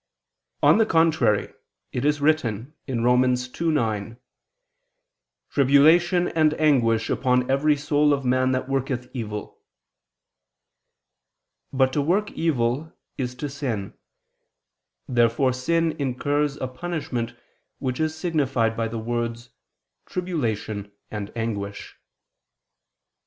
On the contrary, It is written (Rom. 2:9): "Tribulation and anguish upon every soul of man that worketh evil." But to work evil is to sin. Therefore sin incurs a punishment which is signified by the words "tribulation and anguish."